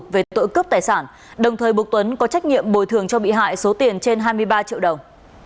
về tội cướp tài sản đồng thời buộc tuấn có trách nhiệm bồi thường cho bị hại số tiền trên hai mươi ba triệu đồng